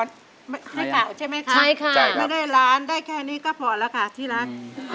ให้กล่าวใช่ไหมครับไม่ได้ร้านได้แค่นี้ก็พอแล้วค่ะที่รัก